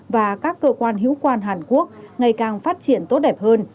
và các cơ quan hữu quan hàn quốc ngày càng phát triển tốt đẹp hơn